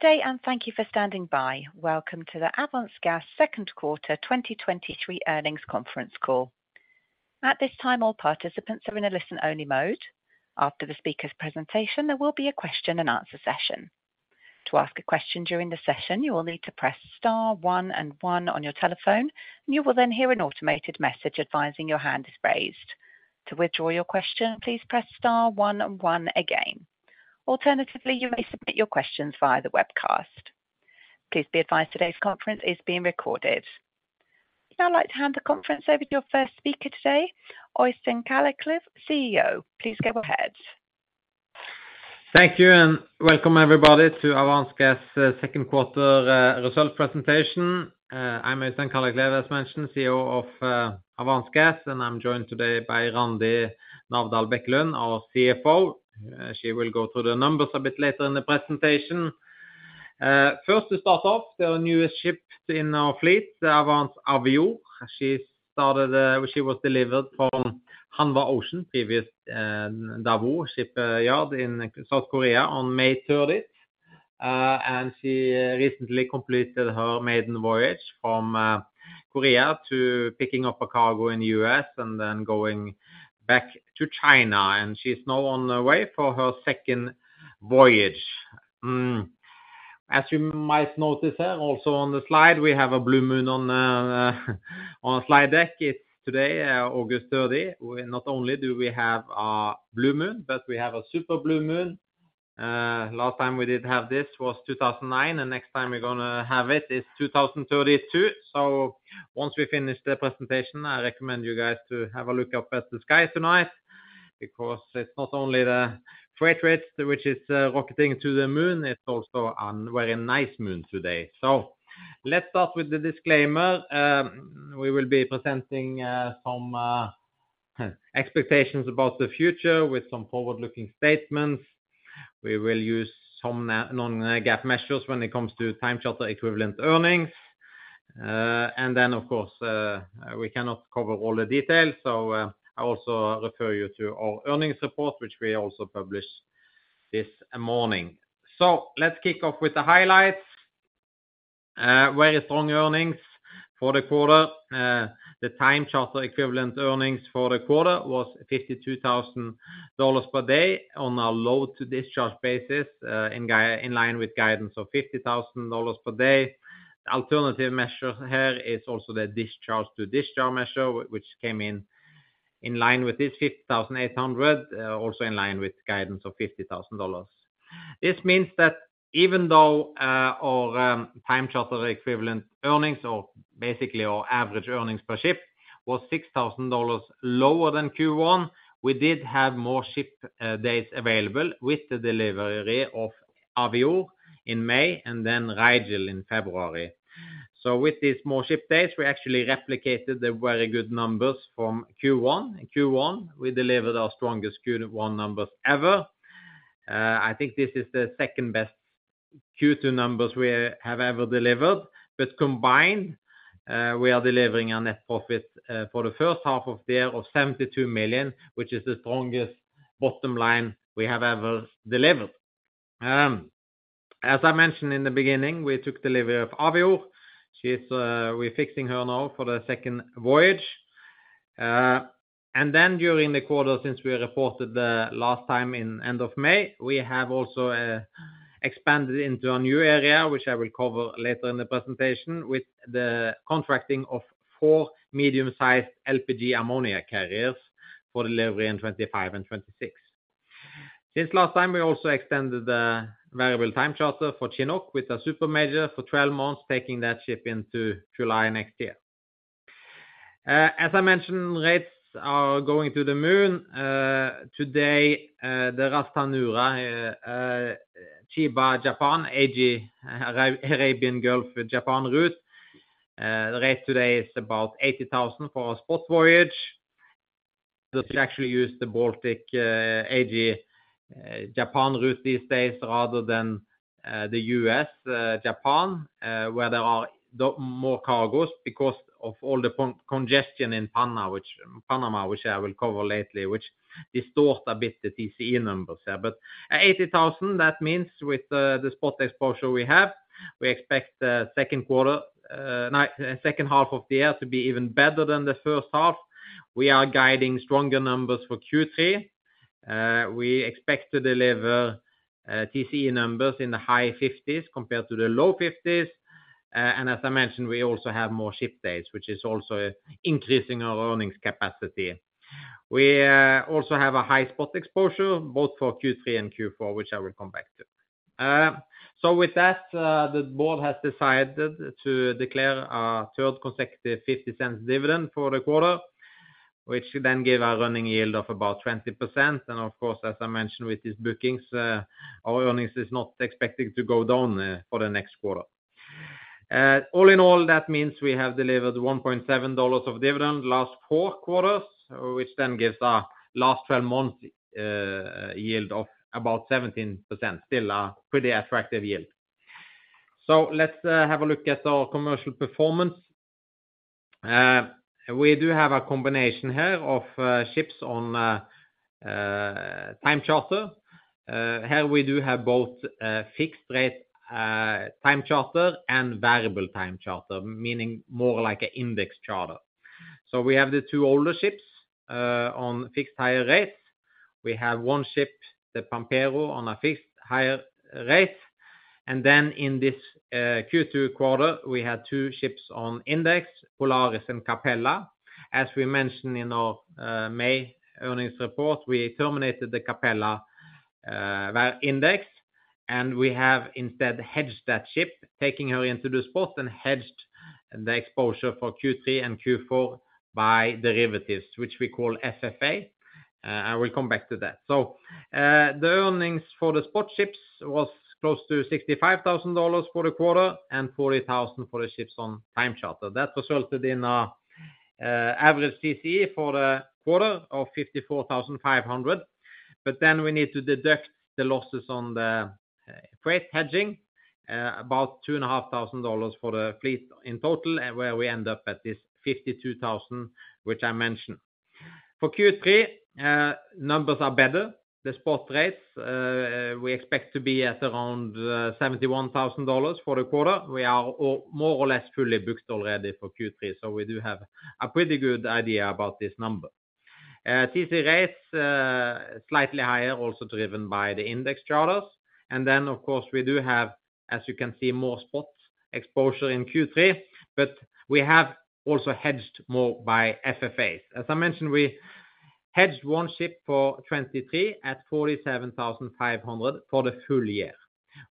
Good day, and thank you for stand ing by. Welcome to the Avance Gas second quarter 2023 earnings conference call. At this time, all participants are in a listen-only mode. After the speaker's presentation, there will be a question and answer session. To ask a question during the session, you will need to press star one and one on your telephone, and you will then hear an automated message advising your hand is raised. To withdraw your question, please press star one and one again. Alternatively, you may submit your questions via the webcast. Please be advised today's conference is being recorded. Now, I'd like to hand the conference over to your first speaker today, Oystein Kalleklev, CEO. Please go ahead. Thank you, and welcome everybody to Avance Gas second quarter result presentation. I'm Oystein Kalleklev, as mentioned, CEO of Avance Gas, and I'm joined today by Randi Navdal Bekkelund, our CFO. She will go through the numbers a bit later in the presentation. First, to start off, the newest ship in our fleet, the Avance Avior. She was delivered from Hanwha Ocean, previous Daewoo Shipyard in South Korea on May 30. And she recently completed her maiden voyage from Korea to picking up a cargo in the US and then going back to China, and she's now on her way for her second voyage. As you might notice there, also on the slide, we have a blue moon on the slide deck. It's today, August 30. We not only do we have a blue moon, but we have a super blue moon. Last time we did have this was 2009, and next time we're gonna have it is 2032. So once we finish the presentation, I recommend you guys to have a look up at the sky tonight, because it's not only the freight rates which is rocketing to the moon, it's also a very nice moon today. So let's start with the disclaimer. We will be presenting some expectations about the future with some forward-looking statements. We will use some non-GAAP measures when it comes to time charter equivalent earnings. And then, of course, we cannot cover all the details. So I also refer you to our earnings report, which we also published this morning. So let's kick off with the highlights. Very strong earnings for the quarter. The time charter equivalent earnings for the quarter was $52,000 per day on a load to discharge basis, in guide-- in line with guidance of $50,000 per day. Alternative measure here is also the discharge to discharge measure, which came in, in line with this $50,800, also in line with guidance of $50,000. This means that even though, our, time charter equivalent earnings, or basically our average earnings per ship, was $6,000 lower than Q1, we did have more ship days available with the delivery of Avior in May and then Rigel in February. So with these more ship dates, we actually replicated the very good numbers from Q1. In Q1, we delivered our strongest Q1 numbers ever. I think this is the second best Q2 numbers we have ever delivered, but combined, we are delivering a net profit for the first half of the year of $72 million, which is the strongest bottom line we have ever delivered. As I mentioned in the beginning, we took delivery of Avior. She's, we're fixing her now for the second voyage. And then during the quarter, since we reported the last time in end of May, we have also expanded into a new area, which I will cover later in the presentation, with the contracting of four medium-sized LPG ammonia carriers for delivery in 2025 and 2026. Since last time, we also extended the variable time charter for Chinook with a super major for 12 months, taking that ship into July next year. As I mentioned, rates are going to the moon. Today, the Ras Tanura, Chiba, AG, Arabian Gulf, Japan route. The rate today is about $80,000 for a spot voyage. Does it actually use the Baltic AG Japan route these days, rather than the US Japan where there are the more cargos because of all the congestion in Panama, which I will cover later, which distorts a bit the TCE numbers there. But $80,000, that means with the spot exposure we have, we expect the second half of the year to be even better than the first half. We are guiding stronger numbers for Q3. We expect to deliver TCE numbers in the high 50s compared to the low 50s. And as I mentioned, we also have more ship dates, which is also increasing our earnings capacity. We also have a high spot exposure both for Q3 and Q4, which I will come back to. So with that, the board has decided to declare a third consecutive $0.50 dividend for the quarter, which then gave a running yield of about 20%. And of course, as I mentioned with these bookings, our earnings is not expected to go down for the next quarter. All in all, that means we have delivered $1.7 of dividend last four quarters, which then gives a last 12 months yield of about 17%, still a pretty attractive yield. So let's have a look at our commercial performance. We do have a combination here of ships on time charter. Here we do have both, fixed rate, time charter and variable time charter, meaning more like a index charter. So we have the 2 older ships, on fixed hire rate. We have 1 ship, the Pampero, on a fixed hire rate. And then in this, Q2 quarter, we had 2 ships on index, Polaris and. As we mentioned in our, May earnings report, we terminated the Capella, variable index, and we have instead hedged that ship, taking her into the spot and hedged the exposure for Q3 and Q4 by derivatives, which we call FFA. I will come back to that. So, the earnings for the spot ships was close to $65,000 for the quarter and $40,000 for the ships on time charter. That resulted in an average TCE for the quarter of $54,500, but then we need to deduct the losses on the freight hedging, about $2,500 for the fleet in total, and where we end up at this $52,000, which I mentioned. For Q3, numbers are better. The spot rates, we expect to be at around $71,000 for the quarter. We are all more or less fully booked already for Q3, so we do have a pretty good idea about this number. TCE rates, slightly higher, also driven by the index charters. And then, of course, we do have, as you can see, more spot exposure in Q3, but we have also hedged more by FFAs. As I mentioned, we hedged one ship for 2023 at $47,500 for the full year.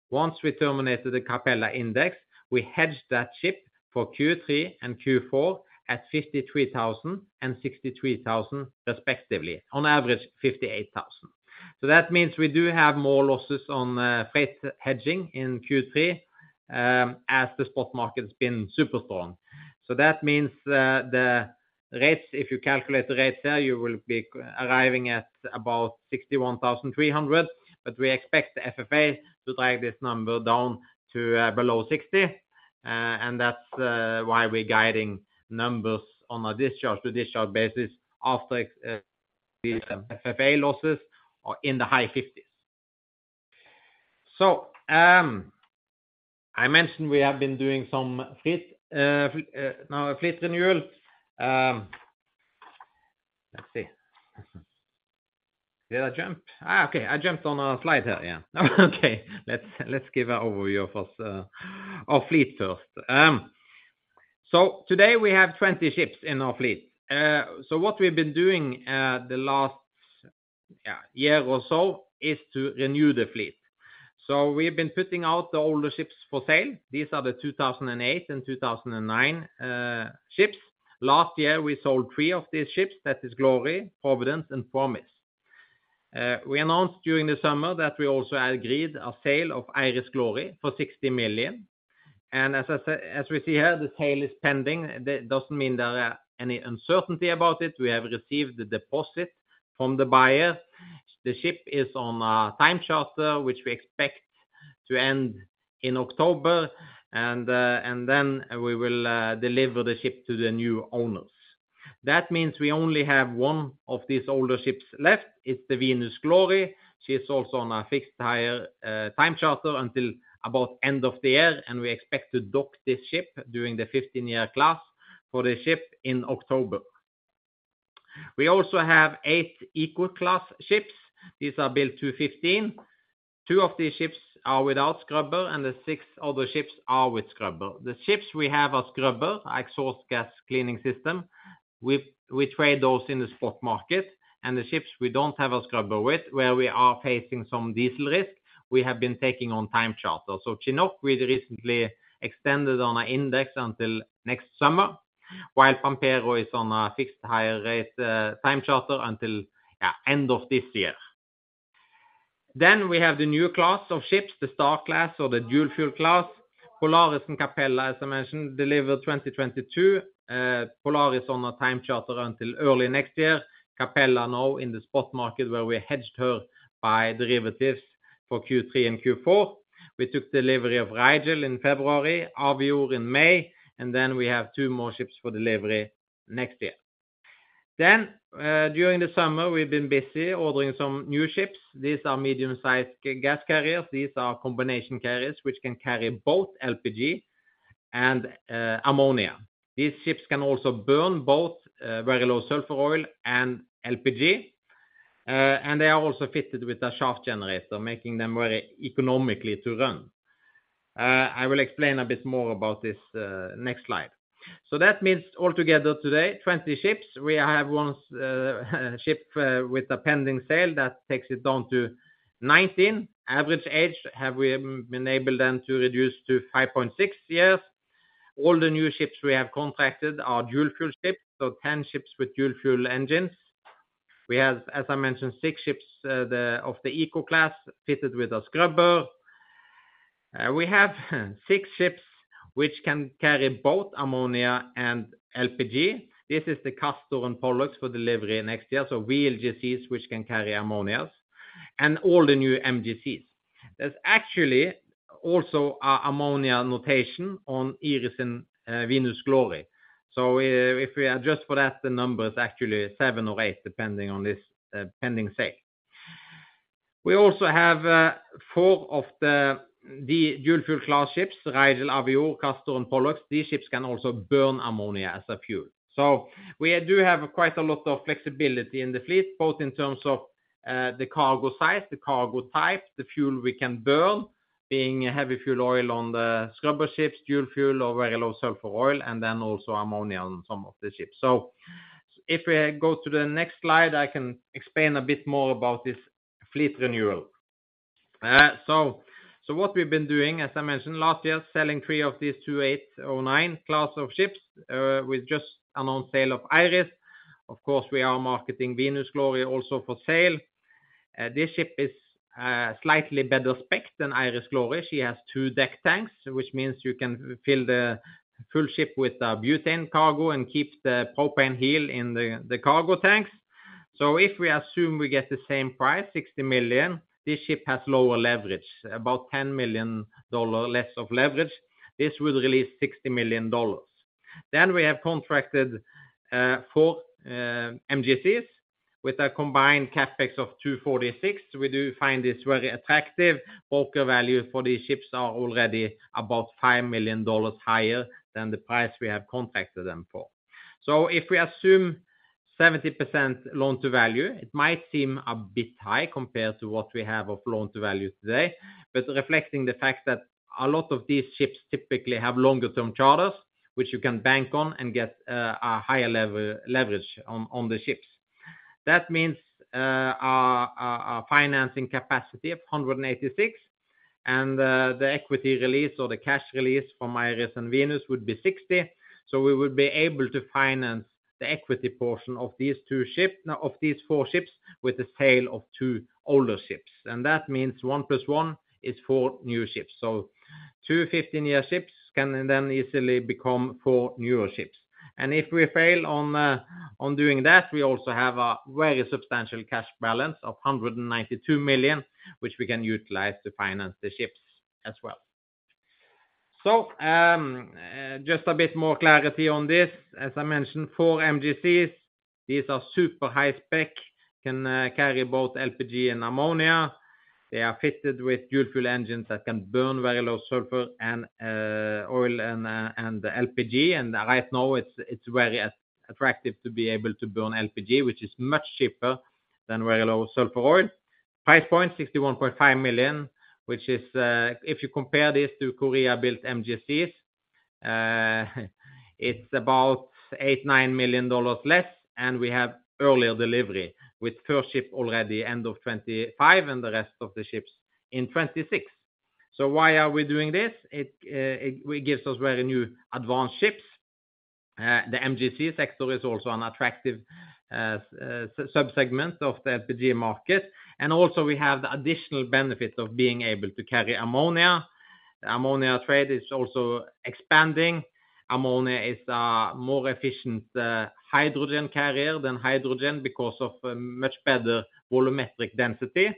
Once we terminated the Capella index, we hedged that ship for Q3 and Q4 at $53,000 and $63,000, respectively. On average, $58,000. So that means we do have more losses on freight hedging in Q3, as the spot market has been super strong. So that means the rates, if you calculate the rates there, you will be arriving at about $61,300, but we expect the FFA to drive this number down to below $60,000. And that's why we're guiding numbers on a discharge to discharge basis after these FFA losses are in the high $50s. So I mentioned we have been doing some fleet, now a fleet renewal. Let's see. Did I jump? Ah, okay, I jumped on a slide here. Yeah. Okay, let's give an overview of us, our fleet first. So today we have 20 ships in our fleet. So what we've been doing, the last year or so is to renew the fleet. So we've been putting out the older ships for sale. These are the 2008 and 2009 ships. Last year, we sold three of these ships. That is Glory, Providence, and Promise. We announced during the summer that we also agreed a sale of Iris Glory for $60 million. And as I say, as we see here, the sale is pending. That doesn't mean there are any uncertainty about it. We have received the deposit from the buyer. The ship is on a time charter, which we expect to end in October, and then we will deliver the ship to the new owners. That means we only have one of these older ships left. It's the Venus Glory. She is also on a fixed higher time charter until about end of the year, and we expect to dock this ship during the 15-year class for the ship in October. We also have eight Eco-class ships. These are built 2015. Two of these ships are without scrubber, and the six other ships are with scrubber. The ships we have are scrubber, exhaust gas cleaning system. We trade those in the spot market, and the ships we don't have a scrubber with, where we are facing some diesel risk, we have been taking on time charter. Chinook, we recently extended on our index until next summer, while Pampero is on a fixed higher rate, time charter until end of this year. Then we have the new class of ships, the Star class or the dual fuel class. Polaris and Capella, as I mentioned, delivered 2022. Polaris on a time charter until early next year. Capella, now in the spot market, where we hedged her by derivatives for Q3 and Q4. We took delivery of Rigel in February, Avior in May, and then we have two more ships for delivery next year. Then, during the summer, we've been busy ordering some new ships. These are medium-sized gas carriers. These are combination carriers, which can carry both LPG and ammonia. These ships can also burn both, very low sulfur oil and LPG, and they are also fitted with a shaft generator, making them very economically to run. I will explain a bit more about this, next slide. So that means altogether today, 20 ships. We have one, ship, with a pending sale that takes it down to 19. Average age, have we been able then to reduce to 5.6 years. All the new ships we have contracted are dual fuel ships, so 10 ships with dual fuel engines. We have, as I mentioned, 6 ships, the, of the Eco class, fitted with a scrubber. We have 6 ships which can carry both ammonia and LPG. This is the Castor and Pollux for delivery next year, so VLGCs, which can carry ammonia and all the new MGCs. There's actually. Also, an ammonia notation on Iris Glory and Venus Glory. So if we adjust for that, the number is actually seven or eight, depending on this pending sale. We also have four of the dual fuel class ships, Rigel, Avior, Castor, and Pollux. These ships can also burn ammonia as a fuel. So we do have quite a lot of flexibility in the fleet, both in terms of the cargo size, the cargo type, the fuel we can burn, being heavy fuel oil on the scrubber ships, dual fuel or very low sulfur fuel oil, and then also ammonia on some of the ships. So if we go to the next slide, I can explain a bit more about this fleet renewal. So what we've been doing, as I mentioned, last year, selling three of these 2009 class of ships, with just announced sale of Iris. Of course, we are marketing Venus Glory also for sale. This ship is, slightly better spec than Iris Glory. She has two deck tanks, which means you can fill the full ship with, butane cargo and keep the propane heel in the cargo tanks. So if we assume we get the same price, $60 million, this ship has lower leverage, about $10 million less of leverage. This will release $60 million. Then we have contracted, four, MGCs with a combined CapEx of $246 million. We do find this very attractive. Broker value for these ships are already about $5 million higher than the price we have contracted them for. So if we assume 70% loan to value, it might seem a bit high compared to what we have of loan to value today, but reflecting the fact that a lot of these ships typically have longer term charters, which you can bank on and get a higher leverage on the ships. That means a financing capacity of $186, and the equity release or the cash release from Iris and Venus would be $60. So we would be able to finance the equity portion of these two ships of these four ships, with the sale of two older ships. And that means 1 + 1 is 4 new ships. So two 15-year ships can then easily become four newer ships. If we fail on doing that, we also have a very substantial cash balance of $192 million, which we can utilize to finance the ships as well. So, just a bit more clarity on this. As I mentioned, four MGCs, these are super high spec, can carry both LPG and ammonia. They are fitted with dual fuel engines that can burn very low sulfur oil and LPG. And right now, it's very attractive to be able to burn LPG, which is much cheaper than very low sulfur oil. Price point, $61.5 million, which is, if you compare this to Korea-built MGCs, it's about $8-$9 million less, and we have earlier delivery, with first ship already end of 2025 and the rest of the ships in 2026. So why are we doing this? It gives us very new advanced ships. The MGC sector is also an attractive subsegment of the LPG market, and also we have the additional benefit of being able to carry ammonia. The ammonia trade is also expanding. Ammonia is a more efficient hydrogen carrier than hydrogen because of a much better volumetric density.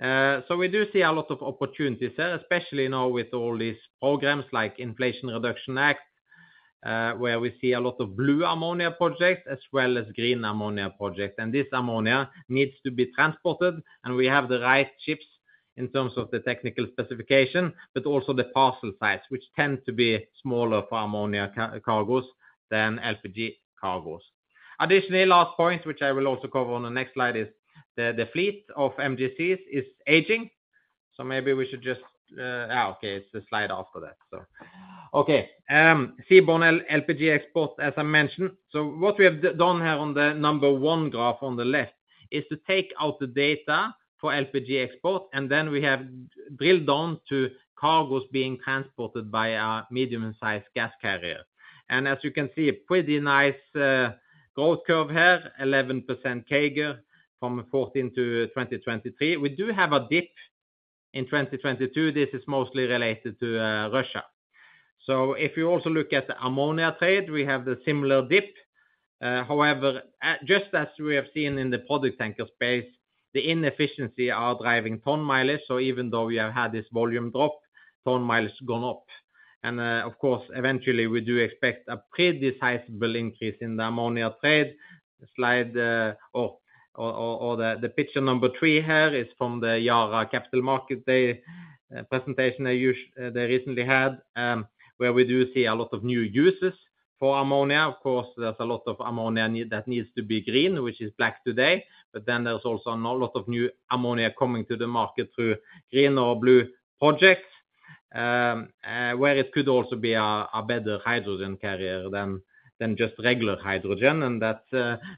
So we do see a lot of opportunities there, especially now with all these programs like Inflation Reduction Act, where we see a lot of blue ammonia projects as well as green ammonia projects. And this ammonia needs to be transported, and we have the right ships in terms of the technical specification, but also the parcel size, which tend to be smaller for ammonia cargos than LPG cargos. Additionally, last point, which I will also cover on the next slide, is the fleet of MGCs is aging, so maybe we should just. Okay, seaborne LPG export, as I mentioned. So what we have done here on the number one graph on the left, is to take out the data for LPG export, and then we have drilled down to cargos being transported by a medium-size gas carrier. And as you can see, a pretty nice growth curve here, 11% CAGR from 2014 to 2023. We do have a dip in 2022. This is mostly related to Russia. So if you also look at the ammonia trade, we have the similar dip. However, just as we have seen in the product tanker space, the inefficiency are driving ton mileage. So even though we have had this volume drop, ton mileage has gone up. And, of course, eventually, we do expect a pretty sizable increase in the ammonia trade. Slide or the picture number 3 here is from the Yara Capital Market Day presentation they recently had, where we do see a lot of new uses for ammonia. Of course, there's a lot of ammonia that needs to be green, which is black today, but then there's also a lot of new ammonia coming to the market through green or blue projects, where it could also be a better hydrogen carrier than just regular hydrogen. That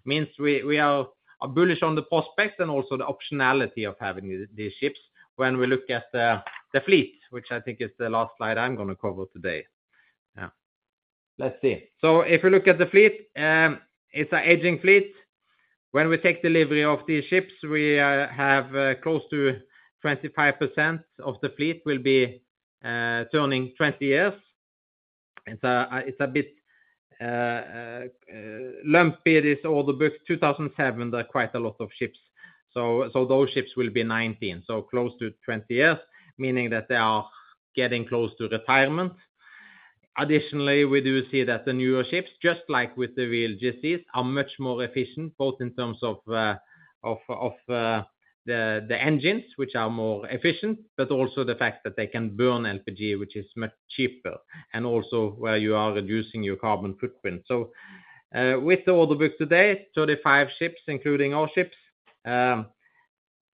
means we are bullish on the prospects and also the optionality of having these ships when we look at the fleet, which I think is the last slide I'm gonna cover today. Yeah, let's see. So if you look at the fleet, it's an aging fleet. When we take delivery of these ships, we have close to 25% of the fleet will be turning 20 years. It's a bit lumpy. It is order book 2007, there are quite a lot of ships. So those ships will be 19, so close to 20 years, meaning that they are getting close to retirement. Additionally, we do see that the newer ships, just like with the VLGCs, are much more efficient, both in terms of the engines, which are more efficient, but also the fact that they can burn LPG, which is much cheaper, and also where you are reducing your carbon footprint. So, with the order book today, 35 ships, including our ships,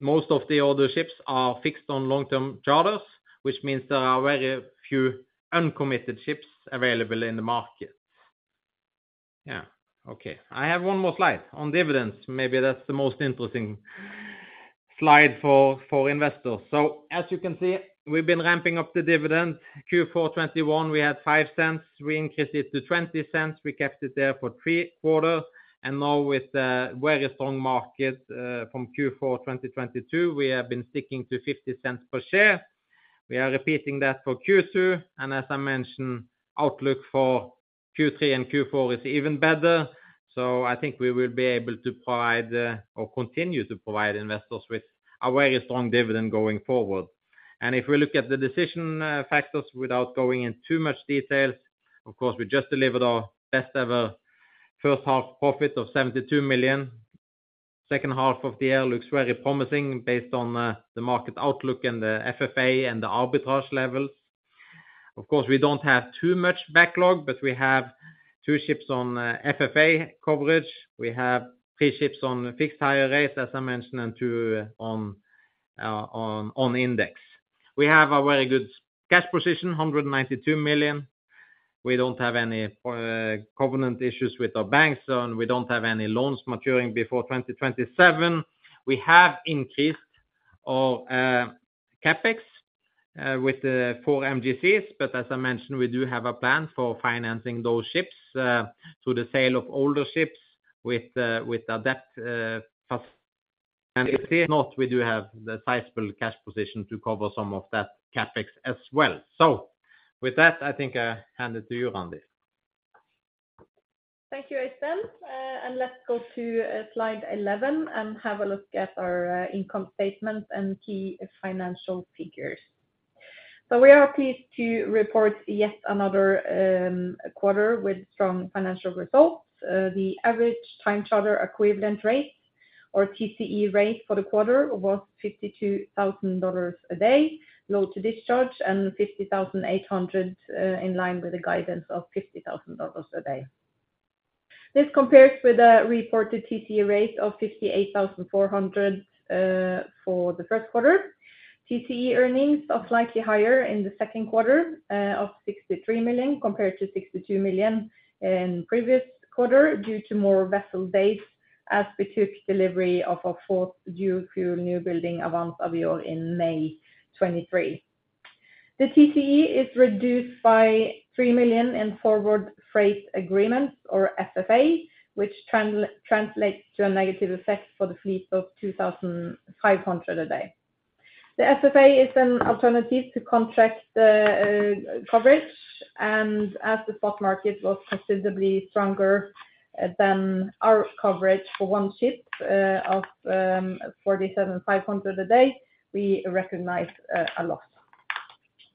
most of the older ships are fixed on long-term charters, which means there are very few uncommitted ships available in the market. Yeah, okay. I have one more slide on dividends. Maybe that's the most interesting slide for investors. So as you can see, we've been ramping up the dividend. Q4 2021, we had $0.05. We increased it to $0.20. We kept it there for 3 quarters, and now with the very strong market from Q4 2022, we have been sticking to $0.50 per share. We are repeating that for Q2, and as I mentioned, outlook for Q3 and Q4 is even better. So I think we will be able to provide or continue to provide investors with a very strong dividend going forward. And if we look at the decision factors without going in too much details, of course, we just delivered our best ever first half profit of $72 million. Second half of the year looks very promising based on the market outlook and the FFA and the arbitrage levels. Of course, we don't have too much backlog, but we have 2 ships on FFA coverage. We have three ships on fixed higher rates, as I mentioned, and two on index. We have a very good cash position, $192 million. We don't have any covenant issues with our banks, and we don't have any loans maturing before 2027. We have increased our CapEx with the four MGCs, but as I mentioned, we do have a plan for financing those ships through the sale of older ships with the debt. And if not, we do have the sizable cash position to cover some of that CapEx as well. So with that, I think I hand it to you, Randi. Thank you, Oystein. Let's go to slide 11 and have a look at our income statement and key financial figures. So we are pleased to report yet another quarter with strong financial results. The average time charter equivalent rate or TCE rate for the quarter was $52,000 a day, load to discharge, and $50,800, in line with the guidance of $50,000 a day. This compares with a reported TCE rate of $58,400 for the first quarter. TCE earnings are slightly higher in the second quarter of $63 million, compared to $62 million in previous quarter, due to more vessel days, as we took delivery of our fourth dual fuel new building Avance Avior in May 2023. The TCE is reduced by $3 million in forward freight agreements or FFA, which translates to a negative effect for the fleet of $2,500 a day. The FFA is an alternative to contract coverage, and as the spot market was considerably stronger than our coverage for one ship of $47,500 a day, we recognized a loss.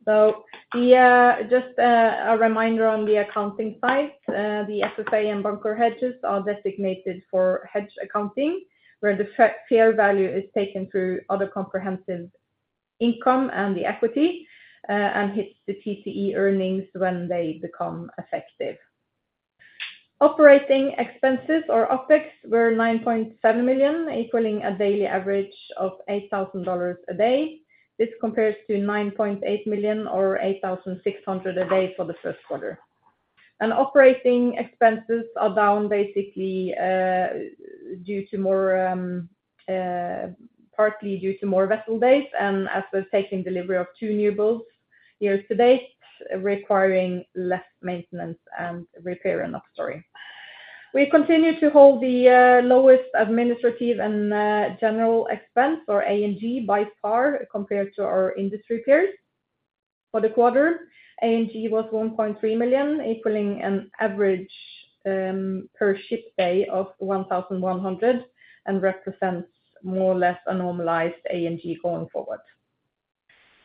So just a reminder on the accounting side, the FFA and bunker hedges are designated for hedge accounting, where the fair value is taken through other comprehensive income and the equity, and hits the TCE earnings when they become effective. Operating expenses or OpEx were $9.7 million, equaling a daily average of $8,000 a day. This compares to $9.8 million or $8,600 a day for the first quarter. Operating expenses are down, basically, due to more, partly due to more vessel days and as we're taking delivery of 2 new builds years to date, requiring less maintenance and repair and operations. We continue to hold the lowest administrative and general expense, or A&G, by far compared to our industry peers. For the quarter, A&G was $1.3 million, equaling an average per ship day of $1,100, and represents more or less a normalized A&G going forward.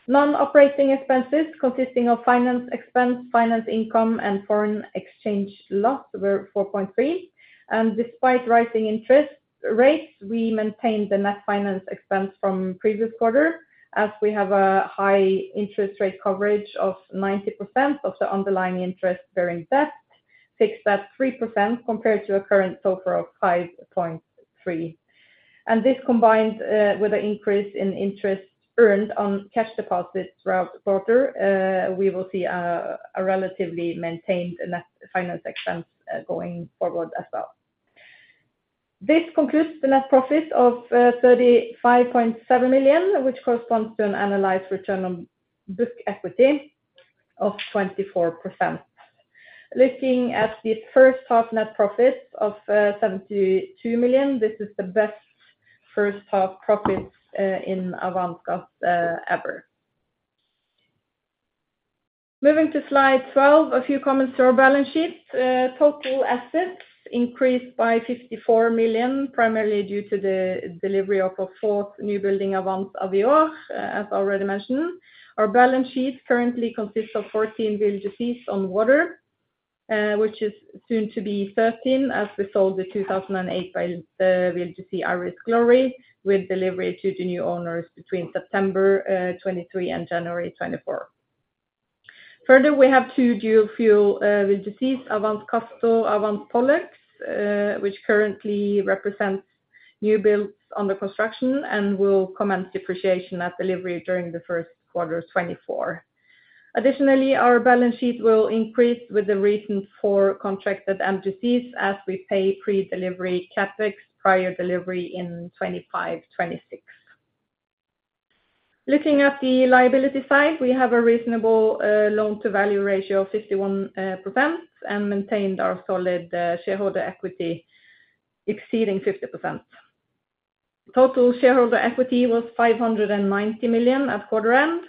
Non-operating expenses, consisting of finance expense, finance income, and foreign exchange loss, were $4.3 million. Despite rising interest rates, we maintained the net finance expense from previous quarter, as we have a high interest rate coverage of 90% of the underlying interest-bearing debt, fixed at 3%, compared to a current so far of 5.3%. And this, combined, with an increase in interest earned on cash deposits throughout the quarter, we will see a relatively maintained net finance expense, going forward as well. This concludes the net profit of $35.7 million, which corresponds to an annualized return on book equity of 24%. Looking at the first half net profit of $72 million, this is the best first half profits in Avance Gas ever. Moving to slide 12, a few comments to our balance sheet. Total assets increased by $54 million, primarily due to the delivery of a fourth newbuilding, Avance Avior, as already mentioned. Our balance sheet currently consists of 14 VLGCs on water, which is soon to be 13, as we sold the 2008-built VLGC Iris Glory, with delivery to the new owners between September 2023 and January 2024. Further, we have two dual fuel VLGCs, Avance Castor, Avance Pollux, which currently represents new builds on the construction and will commence depreciation at delivery during the first quarter of 2024. Additionally, our balance sheet will increase with the recent four contracted MGCs as we pay pre-delivery CapEx prior delivery in 2025, 2026. Looking at the liability side, we have a reasonable loan-to-value ratio of 51% and maintained our solid shareholder equity exceeding 50%. Total shareholder equity was $590 million at quarter end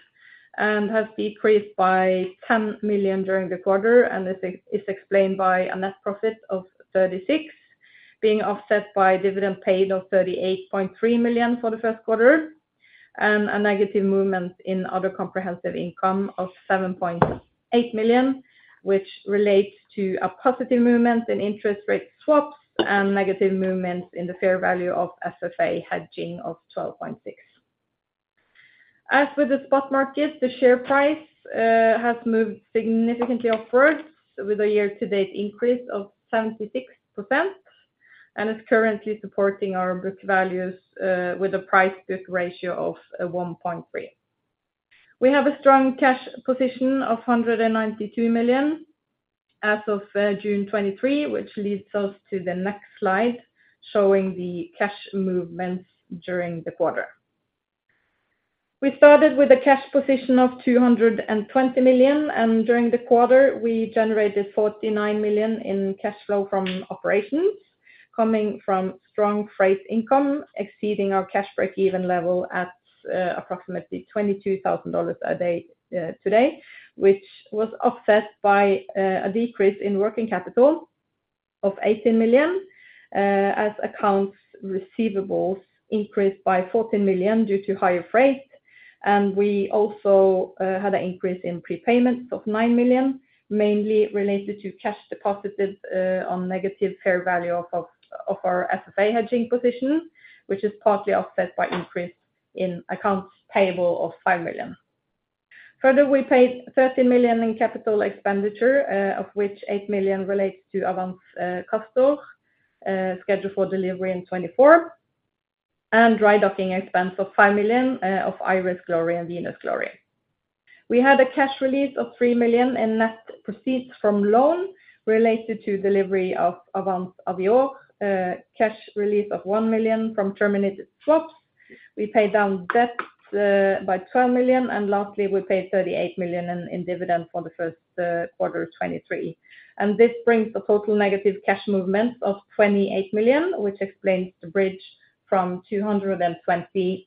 and has decreased by $10 million during the quarter, and this is explained by a net profit of $36 million, being offset by dividend paid of $38.3 million for the first quarter, and a negative movement in other comprehensive income of $7.8 million, which relates to a positive movement in interest rate swaps and negative movements in the fair value of FFA hedging of $12.6 million. As with the spot market, the share price has moved significantly upwards with a year-to-date increase of 76%, and is currently supporting our book values with a price book ratio of 1.3. We have a strong cash position of $192 million as of June 2023, which leads us to the next slide, showing the cash movements during the quarter. We started with a cash position of $220 million, and during the quarter, we generated $49 million in cash flow from operations, coming from strong freight income, exceeding our cash breakeven level at approximately $22,000 a day today, which was offset by a decrease in working capital of $18 million, as accounts receivables increased by $14 million due to higher freight. We also had an increase in prepayments of $9 million, mainly related to cash deposits on negative fair value of our FFA hedging position, which is partly offset by increase in accounts payable of $5 million. Further, we paid $13 million in capital expenditure, of which $8 million relates to Avance Castor, scheduled for delivery in 2024, and dry docking expense of $5 million of Iris Glory and Venus Glory. We had a cash release of $3 million in net proceeds from loan related to delivery of Avance Avior, cash release of $1 million from terminated swaps. We paid down debt by $12 million, and lastly, we paid $38 million in dividend for the first quarter of 2023. And this brings the total negative cash movement of $28 million, which explains the bridge from $220 million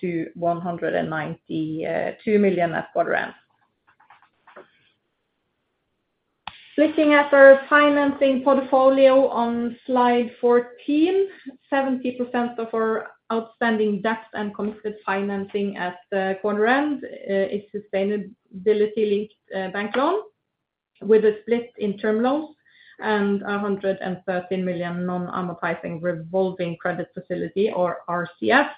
to $192 million at quarter end. Looking at our financing portfolio on slide 14, 70% of our outstanding debt and committed financing at the quarter end is sustainability-linked bank loan, with a split in term loans and $113 million non-amortizing revolving credit facility, or RCF,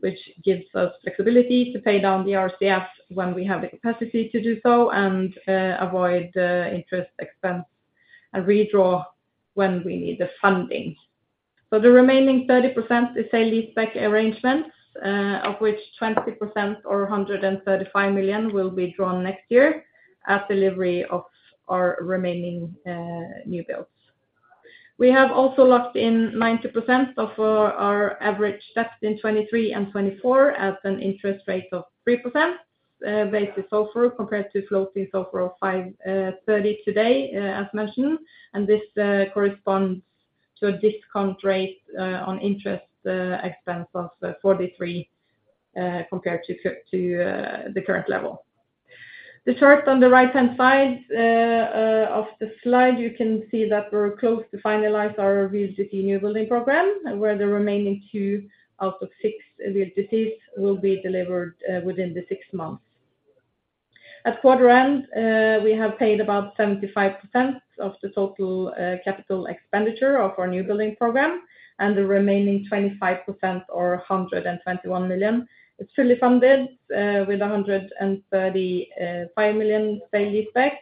which gives us flexibility to pay down the RCF when we have the capacity to do so and avoid interest expense and redraw when we need the funding. So the remaining 30% is a lease back arrangement, of which 20% or $135 million will be drawn next year at delivery of our remaining new builds. We have also locked in 90% of our average debt in 2023 and 2024 at an interest rate of 3%, based on SOFR, compared to floating SOFR of 5.30% today, as mentioned, and this corresponds to a discount rate on interest expense of 43%, compared to the current level. The chart on the right-hand side of the slide, you can see that we're close to finalize our VLGC newbuilding program, where the remaining two out of six VLGCs will be delivered within the six months. At quarter end, we have paid about 75% of the total capital expenditure of our newbuilding program, and the remaining 25% or $121 million. It's fully funded with $135 million sale lease back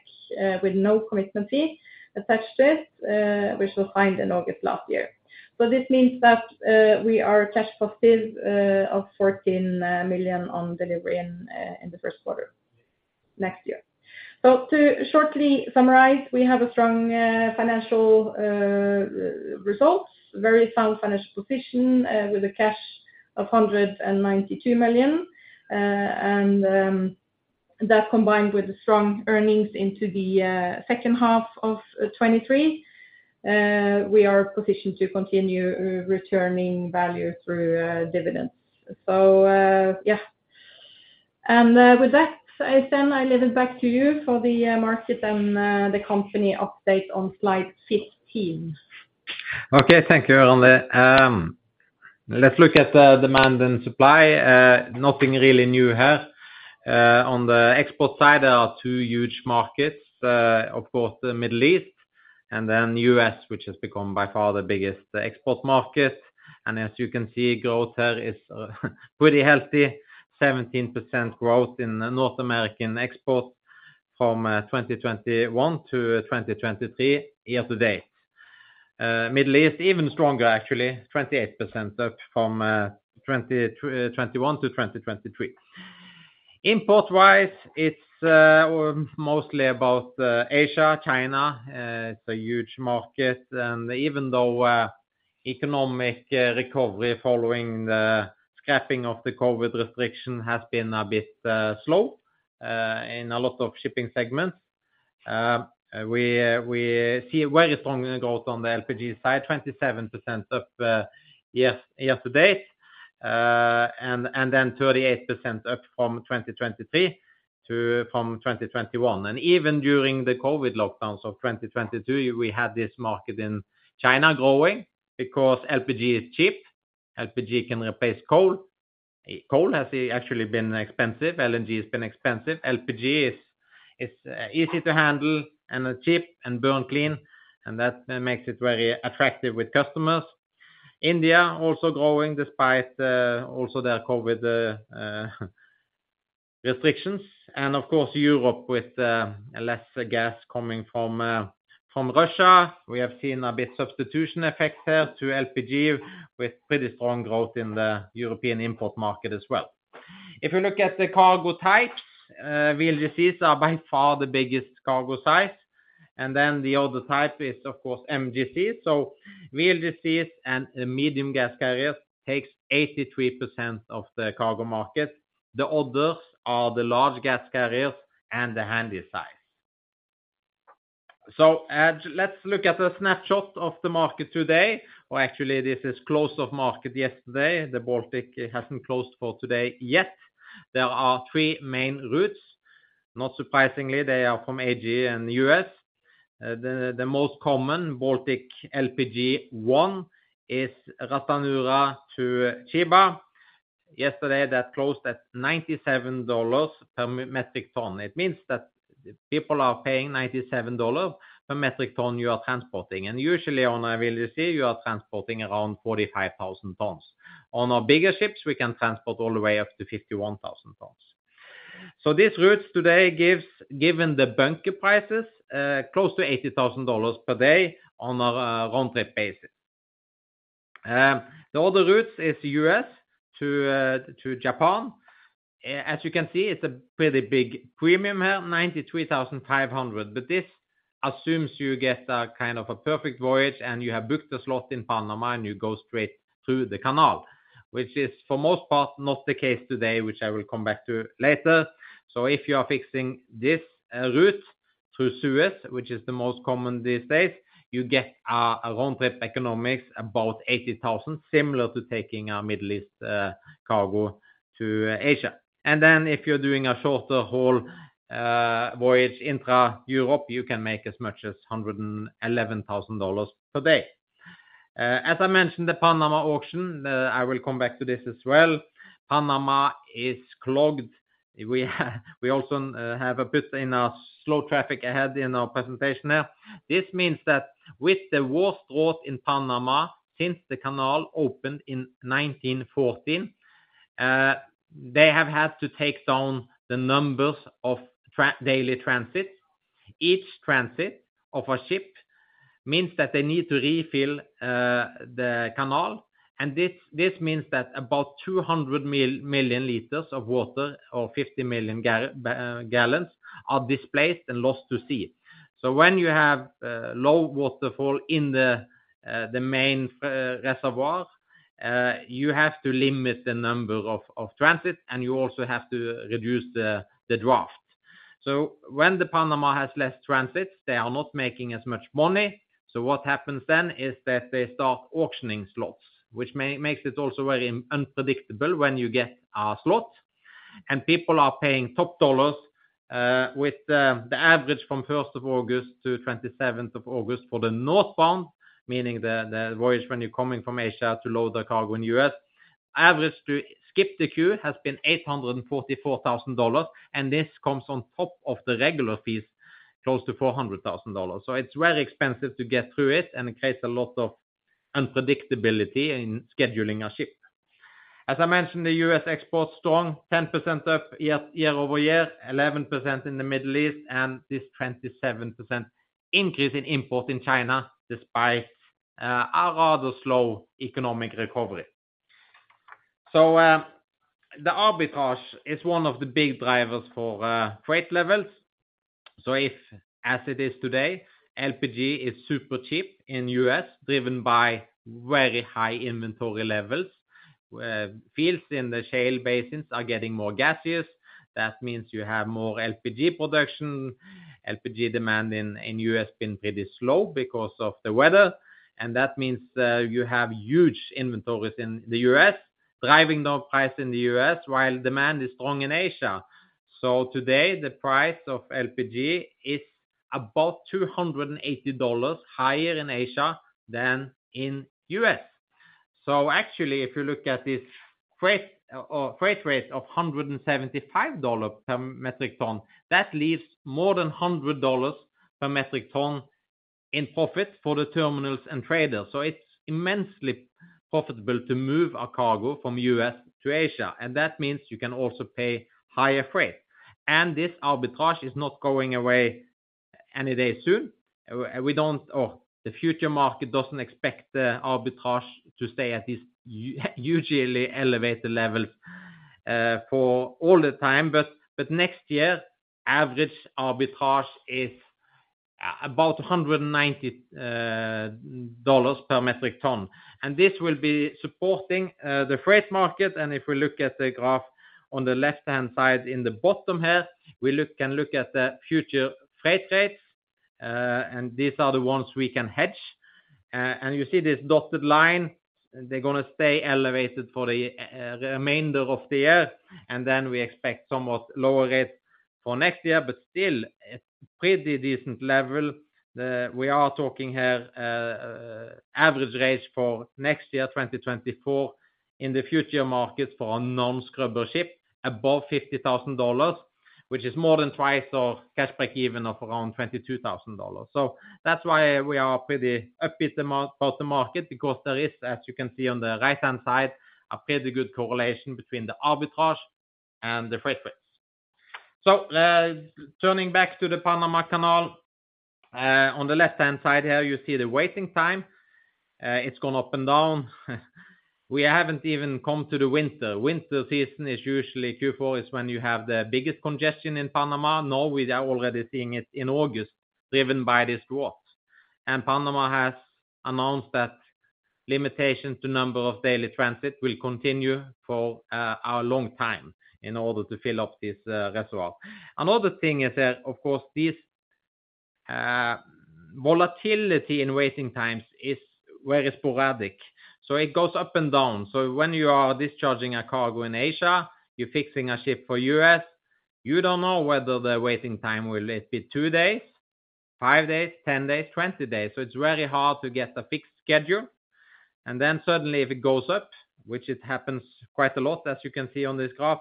with no commitment fee attached to it, which was signed in August last year. So this means that we are cash positive of $14 million on delivery in the first quarter next year. So to shortly summarize, we have a strong financial results, very sound financial position with cash of $192 million and... That combined with the strong earnings into the second half of 2023, we are positioned to continue returning value through dividends. So, yeah. And with that, Oystein, I leave it back to you for the market and the company update on slide 15. Okay. Thank you, Randi. Let's look at the demand and supply. Nothing really new here. On the export side, there are two huge markets, of course, the Middle East, and then US, which has become by far the biggest export market. And as you can see, growth here is pretty healthy, 17% growth in North American export from 2021-2023 year to date. Middle East, even stronger, actually, 28% up from 2021 -2023. Import-wise, it's mostly about Asia, China, it's a huge market. And even though economic recovery following the scrapping of the COVID restriction has been a bit slow in a lot of shipping segments, we see very strong growth on the LPG side, 27% up year to date. And then 38% up from 2021 -2023. And even during the COVID lockdowns of 2022, we had this market in China growing because LPG is cheap. LPG can replace coal. Coal has actually been expensive, LNG has been expensive. LPG is, it's easy to handle, and are cheap, and burn clean, and that makes it very attractive with customers. India also growing despite also their COVID restrictions. And of course, Europe with less gas coming from from Russia. We have seen a bit substitution effect there to LPG, with pretty strong growth in the European import market as well. If you look at the cargo types, VLGCs are by far the biggest cargo size, and then the other type is, of course, MGC. So VLGCs and medium gas carriers takes 83% of the cargo market. The others are the large gas carriers and the handy size. So, let's look at a snapshot of the market today. Or actually, this is close of market yesterday. The Baltic hasn't closed for today, yet. There are three main routes. Not surprisingly, they are from AG and U.S. The most common, Baltic LPG 1, is Ras Tanura to Chiba. Yesterday, that closed at $97 per metric ton. It means that people are paying $97 per metric ton you are transporting. And usually on a VLGC, you are transporting around 45,000 tons. On our bigger ships, we can transport all the way up to 51,000 tons. So these routes today gives, given the bunker prices, close to $80,000 per day on a round-trip basis. The other routes is U.S. to Japan. As you can see, it's a pretty big premium here, $93,500. But this assumes you get a kind of a perfect voyage, and you have booked a slot in Panama, and you go straight through the canal, which is, for most part, not the case today, which I will come back to later. So if you are fixing this route through Suez, which is the most common these days, you get a round-trip economics, about $80,000, similar to taking a Middle East cargo to Asia. And then if you're doing a shorter haul voyage intra-Europe, you can make as much as $111,000 per day. As I mentioned, the Panama auction, I will come back to this as well. Panama is clogged. We also have a bit in a slow traffic ahead in our presentation there. This means that with the worst drought in Panama since the canal opened in 1914, they have had to take down the numbers of daily transits. Each transit of a ship means that they need to refill the canal, and this means that about 200 million liters of water or 50 million gallons are displaced and lost to sea. So when you have low waterfall in the main reservoir, you have to limit the number of transit, and you also have to reduce the draft. So when the Panama has less transits, they are not making as much money. So what happens then is that they start auctioning slots, which makes it also very unpredictable when you get a slot. And people are paying top dollars, with the average from first of August to 27th of August for the northbound, meaning the voyage when you're coming from Asia to load the cargo in the US, average to skip the queue has been $844,000, and this comes on top of the regular fees, close to $400,000. So it's very expensive to get through it, and it creates a lot of unpredictability in scheduling a ship. As I mentioned, the U.S. export is strong, 10% up year-over-year, 11% in the Middle East, and this 27% increase in import in China despite a rather slow economic recovery. The arbitrage is one of the big drivers for freight levels. So if as it is today, LPG is super cheap in U.S., driven by very high inventory levels. Fields in the shale basins are getting more gaseous. That means you have more LPG production. LPG demand in U.S. been pretty slow because of the weather, and that means you have huge inventories in the U.S., driving down price in the US while demand is strong in Asia. So today, the price of LPG is above $280 higher in Asia than in U.S.. So actually, if you look at this freight or freight rate of $175 per metric ton, that leaves more than $100 per metric ton in profit for the terminals and traders. So it's immensely profitable to move a cargo from U.S. to Asia, and that means you can also pay higher freight. And this arbitrage is not going away any day soon. We don't-- or the future market doesn't expect the arbitrage to stay at this usually elevated levels, for all the time. But next year, average arbitrage is about 190 dollars per metric ton. And this will be supporting, the freight market. And if we look at the graph on the left-hand side, in the bottom here, can look at the future freight rates, and these are the ones we can hedge. And you see this dotted line, they're gonna stay elevated for the, the remainder of the year, and then we expect somewhat lower rates for next year. But still, a pretty decent level. We are talking here, average rates for next year, 2024, in the future markets for a non-scrubber ship above $50,000, which is more than twice of cash break-even of around $22,000. So that's why we are pretty upbeat about, about the market, because there is, as you can see on the right-hand side, a pretty good correlation between the arbitrage and the freight rates. So, turning back to the Panama Canal, on the left-hand side here, you see the waiting time. It's gone up and down. We haven't even come to the winter. Winter season is usually Q4, is when you have the biggest congestion in Panama. Now we are already seeing it in August, driven by this drought. And Panama has announced that limitations to number of daily transit will continue for a long time in order to fill up this reservoir. Another thing is that, of course, this volatility in waiting times is very sporadic. So it goes up and down. So when you are discharging a cargo in Asia, you're fixing a ship for U.S., you don't know whether the waiting time will it be 2 days, 5 days, 10 days, 20 days. So it's very hard to get a fixed schedule. And then suddenly, if it goes up, which it happens quite a lot, as you can see on this graph,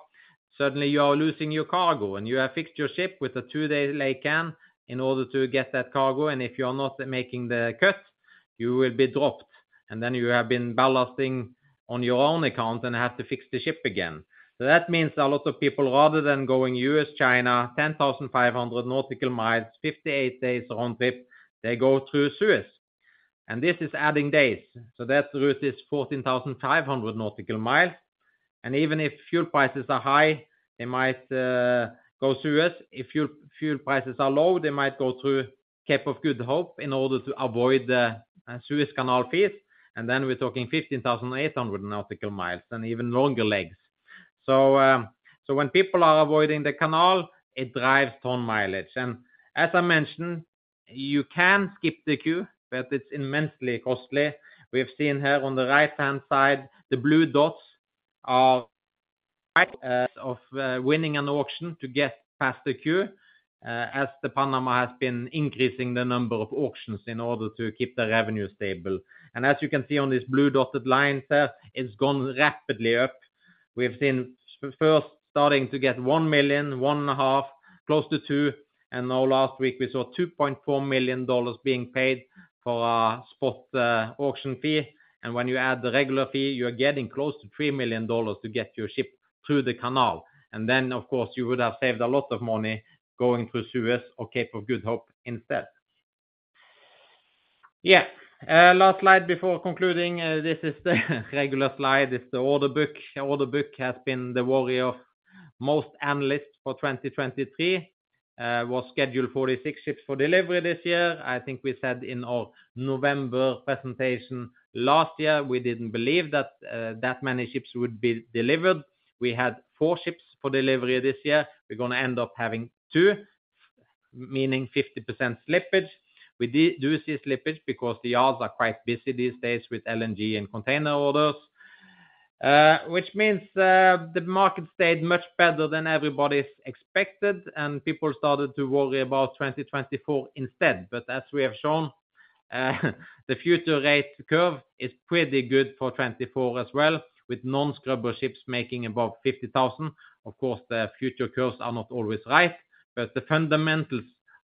suddenly you are losing your cargo, and you have fixed your ship with a 2-day laycan in order to get that cargo, and if you are not making the cut, you will be dropped. Then you have been ballasting on your own account and have to fix the ship again. So that means a lot of people, rather than going U.S., China, 10,500 nautical miles, 58 days round trip, they go through Suez, and this is adding days. So that route is 14,500 nautical miles, and even if fuel prices are high, they might go Suez. If fuel prices are low, they might go through Cape of Good Hope in order to avoid the Suez Canal fees. And then we're talking 15,800 nautical miles and even longer legs. So when people are avoiding the canal, it drives ton mileage. And as I mentioned, you can skip the queue, but it's immensely costly. We've seen here on the right-hand side, the blue dots are price of winning an auction to get past the queue as the Panama has been increasing the number of auctions in order to keep the revenue stable. As you can see on this blue dotted line there, it's gone rapidly up. We've seen first starting to get $1 million, $1.5 million, close to $2 million, and now last week we saw $2.4 million being paid for a spot auction fee. When you add the regular fee, you are getting close to $3 million to get your ship through the canal. Then, of course, you would have saved a lot of money going through Suez or Cape of Good Hope instead. Yeah. Last slide before concluding, this is the regular slide. It's the order book. Order book has been the worry of most analysts for 2023. Was scheduled 46 ships for delivery this year. I think we said in our November presentation last year, we didn't believe that that many ships would be delivered. We had 4 ships for delivery this year. We're gonna end up having 2, meaning 50% slippage. We do see slippage because the yards are quite busy these days with LNG and container orders. Which means, the market stayed much better than everybody's expected, and people started to worry about 2024 instead. But as we have shown, the future rate curve is pretty good for 2024 as well, with non-scrubber ships making above 50,000. Of course, the future curves are not always right, but the fundamentals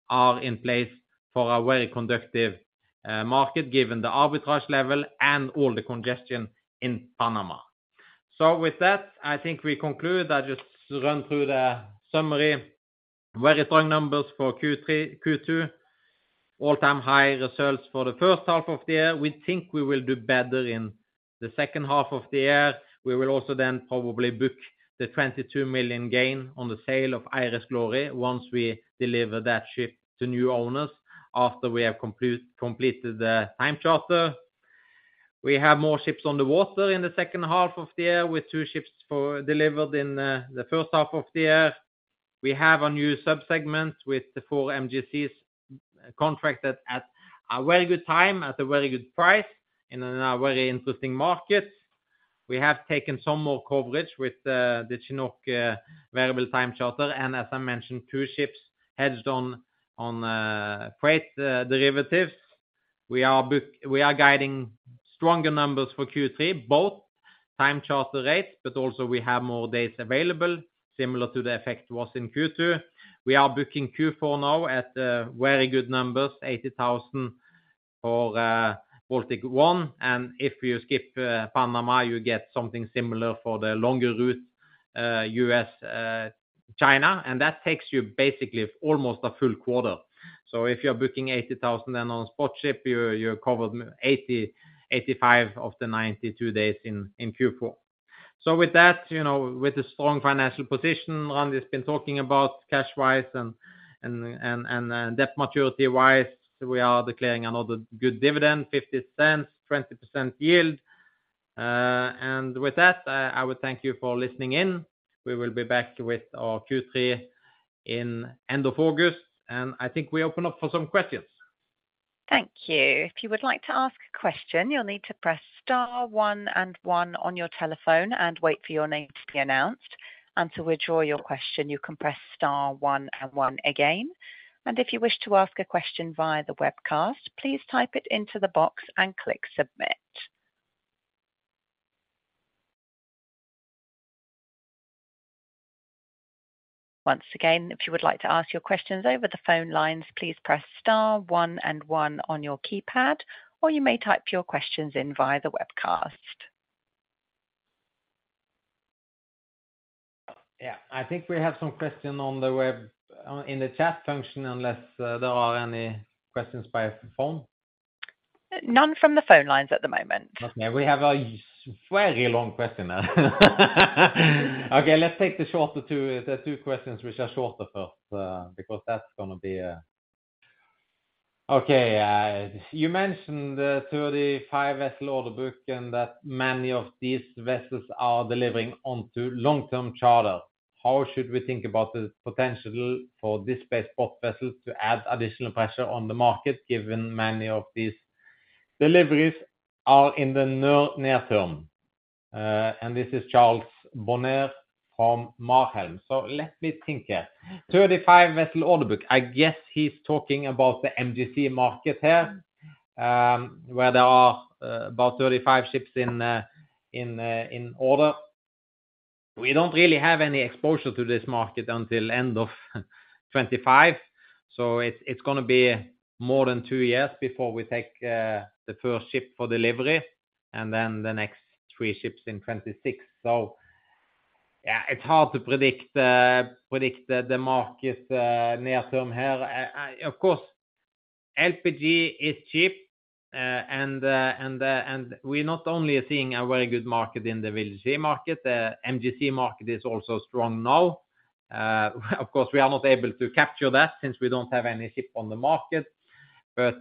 are in place for a very conducive market, given the arbitrage level and all the congestion in Panama. So with that, I think we conclude. I just run through the summary. Very strong numbers for Q2, all-time high results for the first half of the year. We think we will do better in the second half of the year. We will also then probably book the $22 million gain on the sale of Iris Glory once we deliver that ship to new owners after we have completed the time charter. We have more ships on the water in the second half of the year, with two ships delivered in the first half of the year. We have a new sub-segment with the four MGCs contracted at a very good time, at a very good price, in a very interesting market. We have taken some more coverage with the Chinook variable time charter, and as I mentioned, two ships hedged on freight derivatives. We are booking—we are guiding stronger numbers for Q3, both time charter rates, but also we have more dates available, similar to the effect was in Q2. We are booking Q4 now at very good numbers, $80,000 for Baltic One, and if you skip Panama, you get something similar for the longer route, US China, and that takes you basically almost a full quarter. So if you're booking $80,000, then on spot ship, you covered 80-85 of the 92 days in Q4. So with that, you know, with the strong financial position, Randy's been talking about cash-wise and debt maturity-wise, we are declaring another good dividend, $0.50, 20% yield. And with that, I would thank you for listening in. We will be back with our Q3 in end of August, and I think we open up for some questions. Thank you. If you would like to ask a question, you'll need to press star one and one on your telephone and wait for your name to be announced. To withdraw your question, you can press star one and one again, and if you wish to ask a question via the webcast, please type it into the box and click submit. Once again, if you would like to ask your questions over the phone lines, please press star one and one on your keypad, or you may type your questions in via the webcast. Yeah, I think we have some questions on the web, in the chat function, unless there are any questions via phone. None from the phone lines at the moment. Okay. We have a very long question there. Okay, let's take the shorter two, the two questions which are shorter first, because that's gonna be... Okay, you mentioned the 35 vessel order book and that many of these vessels are delivering onto long-term charter. How should we think about the potential for this space spot vessel to add additional pressure on the market, given many of these deliveries are in the near term? And this is Charles Bonner from Marhelm. So let me think here. 35 vessel order book. I guess he's talking about the MGC market here, where there are about 35 ships in order. We don't really have any exposure to this market until end of 2025, so it's gonna be more than two years before we take the first ship for delivery, and then the next three ships in 2026. So, yeah, it's hard to predict the market near term here. Of course, LPG is cheap, and we're not only seeing a very good market in the VLGC market, the MGC market is also strong now. Of course, we are not able to capture that since we don't have any ship on the market, but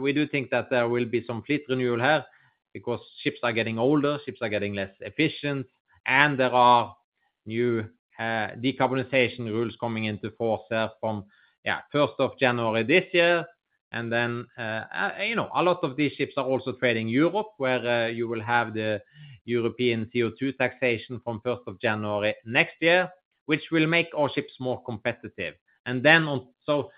we do think that there will be some fleet renewal here because ships are getting older, ships are getting less efficient, and there are new decarbonization rules coming into force from first of January this year. And then, you know, a lot of these ships are also trading Europe, where you will have the European CO2 taxation from first of January next year, which will make our ships more competitive. So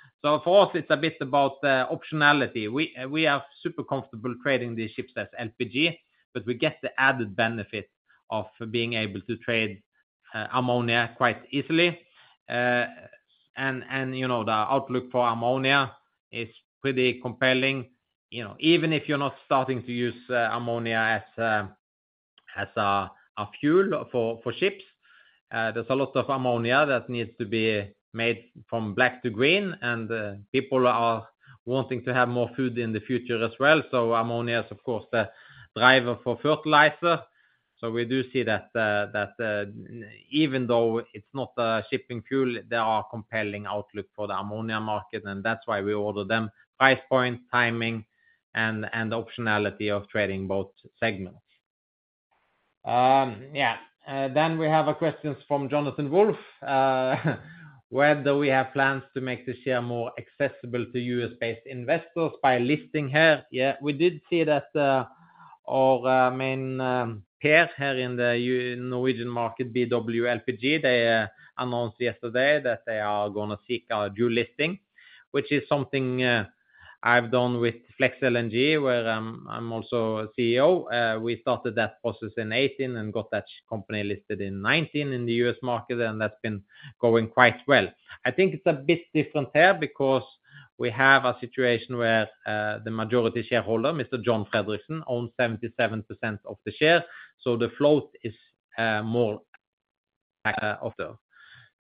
for us, it's a bit about the optionality. We are super comfortable trading these ships as LPG, but we get the added benefit of being able to trade ammonia quite easily. And, you know, the outlook for ammonia is pretty compelling. You know, even if you're not starting to use ammonia as a fuel for ships, there's a lot of ammonia that needs to be made from black to green, and people are wanting to have more food in the future as well. So ammonia is, of course, the driver for fertilizer. So we do see that, even though it's not a shipping fuel, there are compelling outlook for the ammonia market, and that's why we order them. Price point, timing, and optionality of trading both segments. Yeah, then we have a question from Jonathan Wolff. Whether we have plans to make the shares more accessible to U.S.-based investors by listing here? Yeah, we did see that, our main peer here in the Norwegian market, BW LPG, they announced yesterday that they are gonna seek a dual listing, which is something I've done with Flex LNG, where I'm also a CEO. We started that process in 2018 and got that company listed in 2019 in the U.S. market, and that's been going quite well. I think it's a bit different here because we have a situation where the majority shareholder, Mr. John Fredriksen, owns 77% of the shares, so the float is also.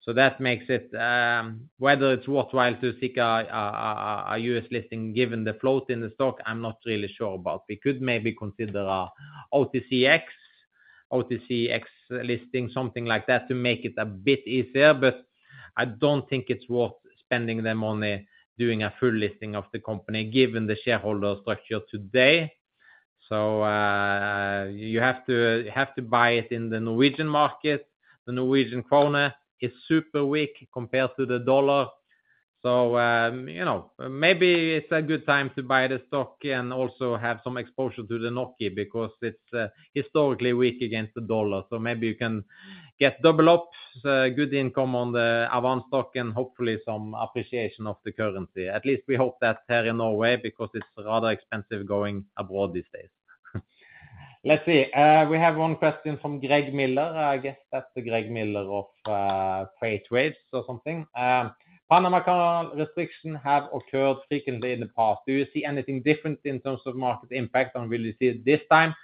So that makes it whether it's worthwhile to seek a U.S. listing, given the float in the stock. I'm not really sure about. We could maybe consider an OTCQX listing, something like that, to make it a bit easier, but I don't think it's worth spending the money doing a full listing of the company, given the shareholder structure today. So you have to buy it in the Norwegian market. The Norwegian kroner is super weak compared to the dollar. So, you know, maybe it's a good time to buy the stock and also have some exposure to the NOK, because it's historically weak against the dollar. So maybe you can get double up good income on the Avance stock and hopefully some appreciation of the currency. At least we hope that here in Norway, because it's rather expensive going abroad these days. Let's see. We have one question from Greg Miller. I guess that's the Greg Miller of FreightWaves or something. Panama Canal restriction have occurred frequently in the past. Do you see anything different in terms of market impact, and will you see it this time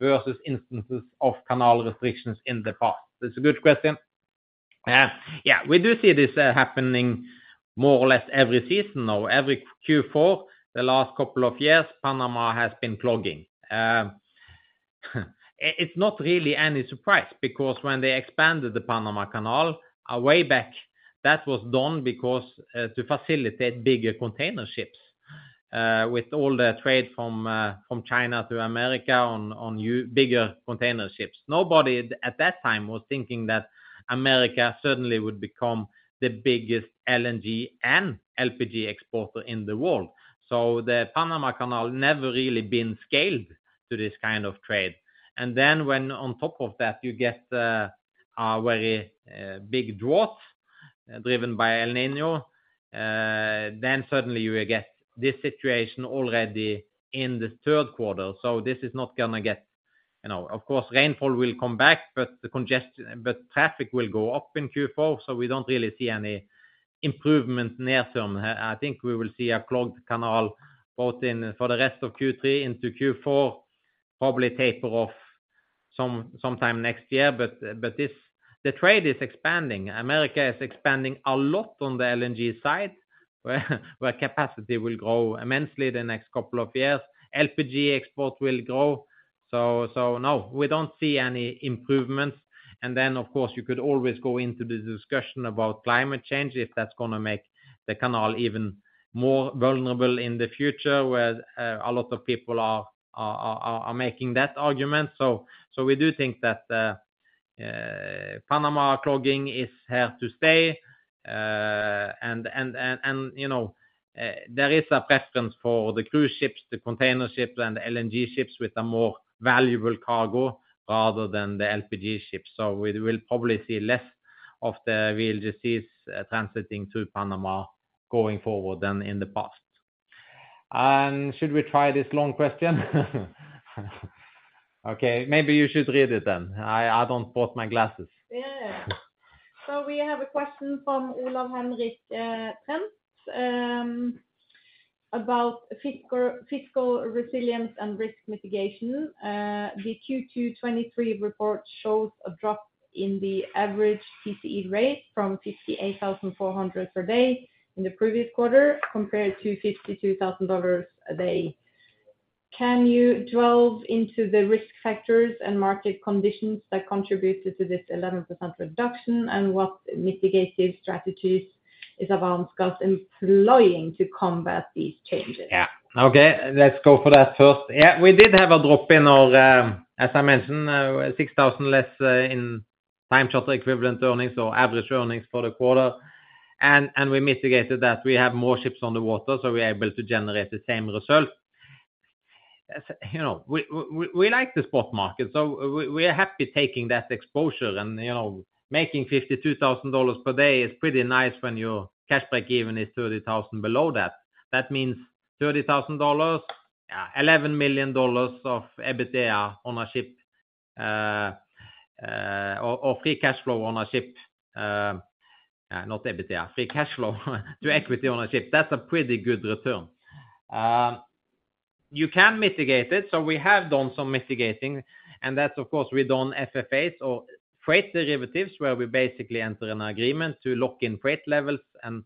versus instances of canal restrictions in the past? That's a good question. Yeah, we do see this happening more or less every season or every Q4. The last couple of years, Panama has been clogging. It's not really any surprise because when they expanded the Panama Canal, a way back, that was done because to facilitate bigger container ships with all the trade from from China to America on bigger container ships. Nobody at that time was thinking that America certainly would become the biggest LNG and LPG exporter in the world. So the Panama Canal never really been scaled to this kind of trade. And then when on top of that, you get a very big drought, driven by El Niño, then suddenly you will get this situation already in the third quarter. So this is not gonna get... You know, of course, rainfall will come back, but the congest- but traffic will go up in Q4, so we don't really see any improvement near term. I think we will see a clogged canal, both in, for the rest of Q3 into Q4, probably taper off sometime next year. But this, the trade is expanding. America is expanding a lot on the LNG side, where capacity will grow immensely the next couple of years. LPG export will grow, so no, we don't see any improvements. And then, of course, you could always go into the discussion about climate change, if that's gonna make the canal even more vulnerable in the future, where a lot of people are making that argument. So we do think that Panama clogging is here to stay. And you know, there is a preference for the cruise ships, the container ships and the LNG ships with a more valuable cargo rather than the LPG ships. So we will probably see less of the VLGCs transiting through Panama going forward than in the past. And should we try this long question? Okay, maybe you should read it then. I don't brought my glasses. So we have a question from Olaf Henrik Trent about fiscal resilience and risk mitigation. The Q2 2023 report shows a drop in the average TCE rate from $58,400 per day in the previous quarter, compared to $52,000 a day. Can you delve into the risk factors and market conditions that contributed to this 11% reduction? And what mitigative strategies is Avance Gas employing to combat these changes? Yeah. Okay, let's go for that first. Yeah, we did have a drop in our, as I mentioned, 6,000 less in time charter equivalent earnings or average earnings for the quarter, and we mitigated that. We have more ships on the water, so we are able to generate the same result. You know, we like the spot market, so we are happy taking that exposure. And, you know, making $52,000 per day is pretty nice when your cash breakeven is 30,000 below that. That means $30,000, $11 million of EBITDA on a ship, or free cash flow on a ship. Not EBITDA. Free cash flow to equity on a ship. That's a pretty good return. You can mitigate it, so we have done some mitigating, and that's, of course, we done FFAs or freight derivatives, where we basically enter an agreement to lock in freight levels. And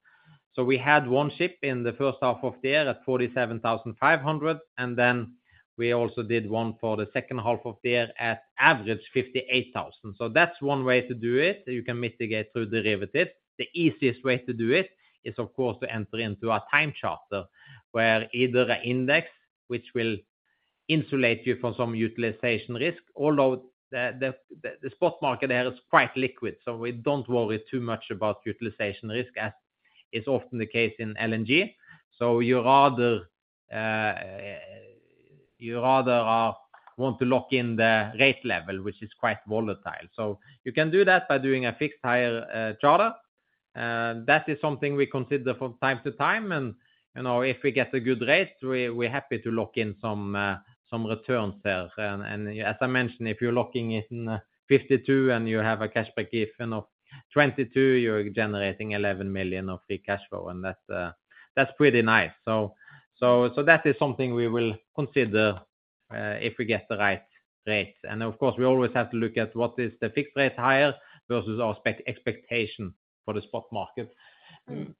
so we had one ship in the first half of the year at $47,500, and then we also did one for the second half of the year at average $58,000. So that's one way to do it. You can mitigate through derivatives. The easiest way to do it is, of course, to enter into a time charter, where either a index, which will insulate you from some utilization risk, although the spot market there is quite liquid, so we don't worry too much about utilization risk, as is often the case in LNG. So you rather want to lock in the rate level, which is quite volatile. So you can do that by doing a fixed hire charter. That is something we consider from time to time, and, you know, if we get a good rate, we're happy to lock in some returns there. And as I mentioned, if you're locking in 52 and you have a cash break-even of 22, you're generating $11 million of free cash flow, and that's pretty nice. So that is something we will consider if we get the right rates. And of course, we always have to look at what is the fixed rate hire versus our expectation for the spot market.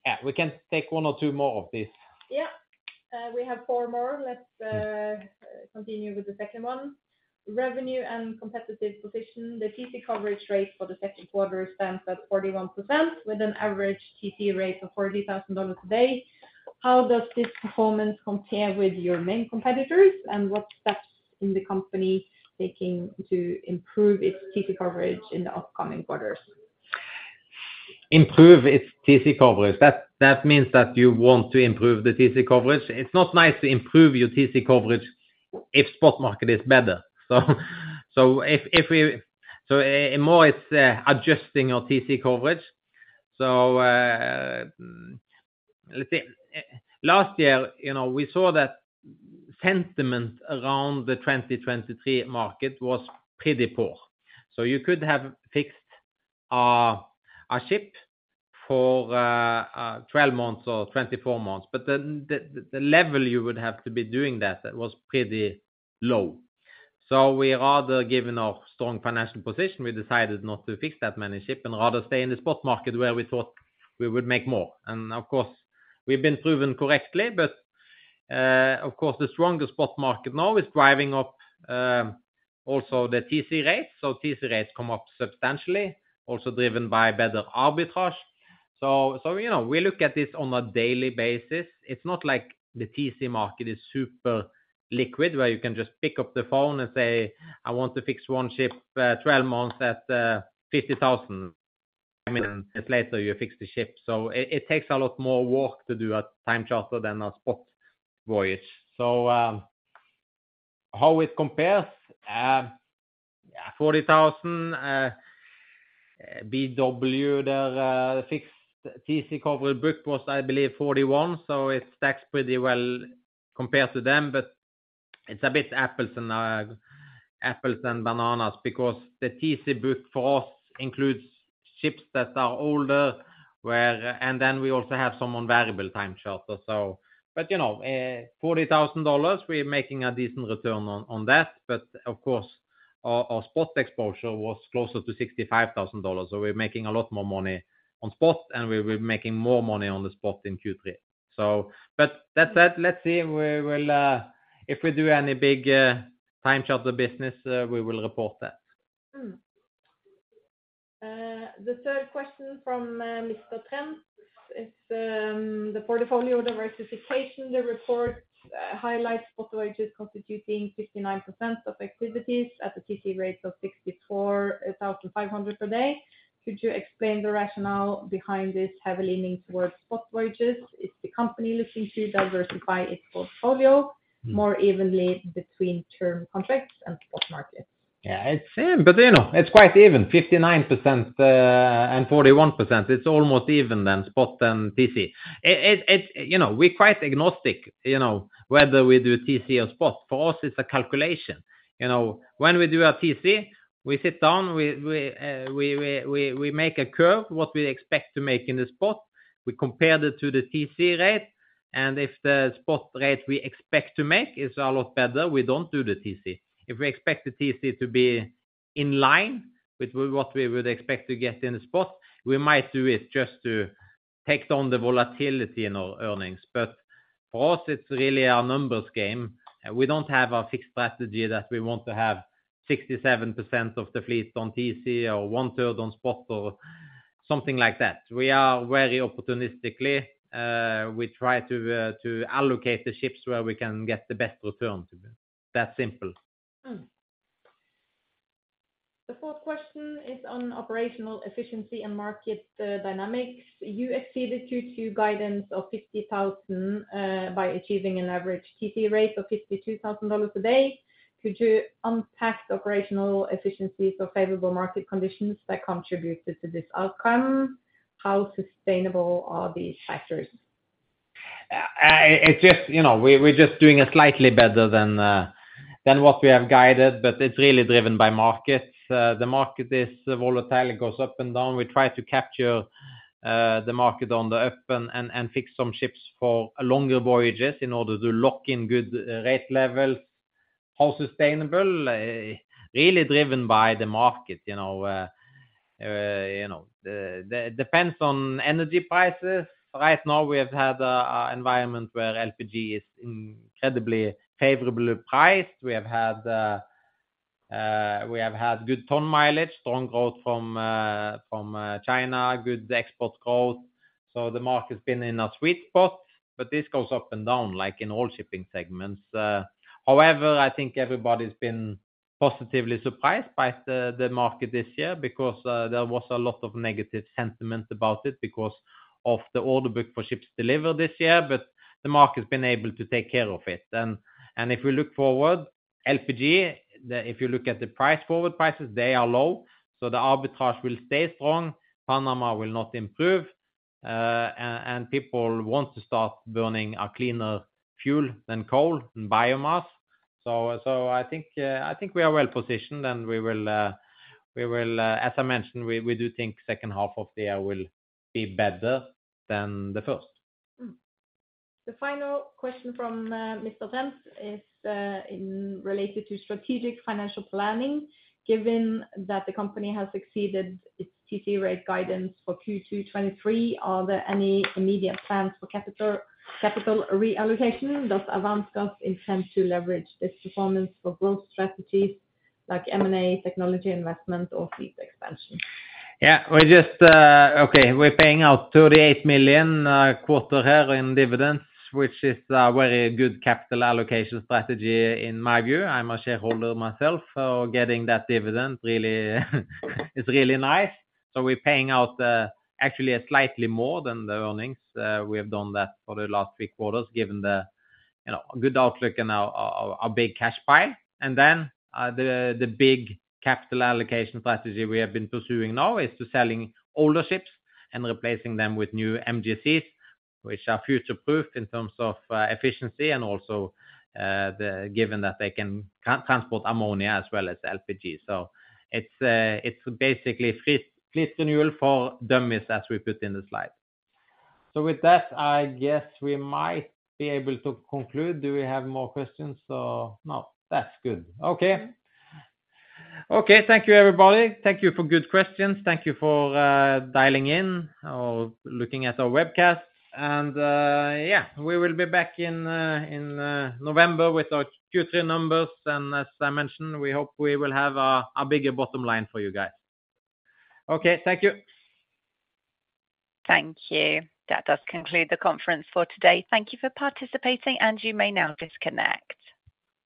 Yeah, we can take one or two more of these. Yeah. We have four more. Let's continue with the second one. Revenue and competitive position. The TC coverage rate for the second quarter stands at 41%, with an average TC rate of $40,000 a day. How does this performance compare with your main competitors, and what steps is the company taking to improve its TC coverage in the upcoming quarters? Improve its TC coverage. That means that you want to improve the TC coverage. It's not nice to improve your TC coverage if spot market is better. So, if we— it's more adjusting your TC coverage. So, let's see. Last year, you know, we saw that sentiment around the 2023 market was pretty poor. So you could have fixed a ship for 12 months or 24 months, but then the level you would have to be doing that was pretty low. So we rather, given our strong financial position, we decided not to fix that many ship and rather stay in the spot market where we thought we would make more. And of course, we've been proven correctly, but of course, the stronger spot market now is driving up also the TC rates. So TC rates come up substantially, also driven by better arbitrage. So, you know, we look at this on a daily basis. It's not like the TC market is super liquid, where you can just pick up the phone and say, "I want to fix one ship, 12 months at $50,000." I mean, later you fix the ship. So it takes a lot more work to do a time charter than a spot voyage. So, how it compares, yeah, $40,000, BW, their fixed TC coverage book was, I believe, 41, so it stacks pretty well compared to them, but it's a bit apples and apples and bananas, because the TC book for us includes ships that are older, where and then we also have some on variable time charter, so. But, you know, $40,000, we're making a decent return on that. But of course, our spot exposure was closer to $65,000, so we're making a lot more money on spot, and we'll be making more money on the spot in Q3. So, but that said, let's see, we will, if we do any big time charter business, we will report that. The third question from Mr. Trent is the portfolio diversification. The report highlights spot voyages constituting 59% of activities at the TC rates of $64,500 per day. Could you explain the rationale behind this heavy leaning towards spot voyages? Is the company looking to diversify its portfolio more evenly between term contracts and spot markets? Yeah, it's. But, you know, it's quite even, 59% and 41%. It's almost even than spot and TC. You know, we're quite agnostic, you know, whether we do TC or spot. For us, it's a calculation. You know, when we do a TC, we sit down, we make a curve, what we expect to make in the spot. We compare it to the TC rate, and if the spot rate we expect to make is a lot better, we don't do the TC. If we expect the TC to be in line with what we would expect to get in the spot, we might do it just to take down the volatility in our earnings. But for us, it's really a numbers game. We don't have a fixed strategy that we want to have 67% of the fleet on TC or one-third on spot or something like that. We are very opportunistic. We try to allocate the ships where we can get the best return. That's simple. The fourth question is on operational efficiency and market dynamics. You exceeded Q2 guidance of $50,000 by achieving an average TC rate of $52,000 a day. Could you unpack the operational efficiencies or favorable market conditions that contributed to this outcome? How sustainable are these factors? It's just, you know, we're just doing it slightly better than what we have guided, but it's really driven by markets. The market is volatile, it goes up and down. We try to capture the market on the up and fix some ships for longer voyages in order to lock in good rate levels. How sustainable? Really driven by the market, you know, depends on energy prices. Right now, we have had an environment where LPG is incredibly favorably priced. We have had good ton mileage, strong growth from China, good export growth. So the market's been in a sweet spot, but this goes up and down like in all shipping segments. However, I think everybody's been positively surprised by the market this year because there was a lot of negative sentiment about it because of the order book for ships delivered this year, but the market's been able to take care of it. And if we look forward, LPG, if you look at the price, forward prices, they are low, so the arbitrage will stay strong, Panama will not improve, and people want to start burning a cleaner fuel than coal and biomass. So I think we are well positioned, and we will. As I mentioned, we do think second half of the year will be better than the first. The final question from Mr. Trent is in relation to strategic financial planning. Given that the company has exceeded its TC rate guidance for Q2 2023, are there any immediate plans for capital reallocation? Does Avance Gas intend to leverage this performance for growth strategies like M&A, technology investment, or fleet expansion? Yeah, we just, okay, we're paying out $38 million this quarter here in dividends, which is a very good capital allocation strategy, in my view. I'm a shareholder myself, so getting that dividend really is really nice. So we're paying out, actually, slightly more than the earnings. We have done that for the last three quarters, given the, you know, good outlook and our big cash pile. And then, the big capital allocation strategy we have been pursuing now is selling older ships and replacing them with new MGCs, which are future-proofed in terms of efficiency and also given that they can transport ammonia as well as LPG. So it's basically fleet renewal for dummies, as we put in the slide. So with that, I guess we might be able to conclude. Do we have more questions or no? That's good. Okay. Okay, thank you, everybody. Thank you for good questions. Thank you for dialing in or looking at our webcast. And yeah, we will be back in November with our Q3 numbers, and as I mentioned, we hope we will have a bigger bottom line for you guys. Okay, thank you. Thank you. That does conclude the conference for today. Thank you for participating, and you may now disconnect.